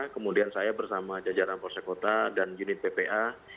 kemudian saya bersama jajaran polsekota dan unit ppa